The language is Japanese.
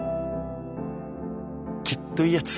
きっといいヤツ。